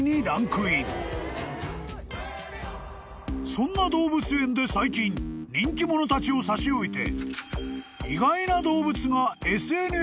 ［そんな動物園で最近人気者たちを差し置いて］